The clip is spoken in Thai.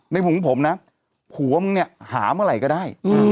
มุมของผมนะผัวมึงเนี่ยหาเมื่อไหร่ก็ได้